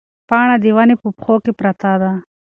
پاڼه د ونې په پښو کې پرته ده.